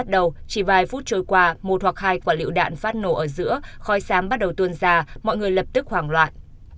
đầu chỉ vài phút trôi qua một hoặc hai quả lựu đạn phát nổ ở giữa khói sám bắt đầu tuôn già mọi người lập tức hoảng loạn